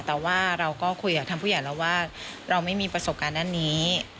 แต่ว่าเราก็คุยกับทางผู้ใหญ่แล้วว่าเราไม่มีประสบการณ์ด้านนี้